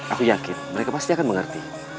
aku yakin mereka pasti akan mengerti